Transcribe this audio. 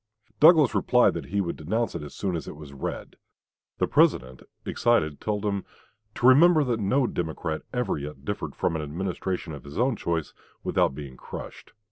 Douglas replied that he would denounce it as soon as it was read. The President, excited, told him "to remember that no Democrat ever yet differed from an administration of his own choice without being crushed.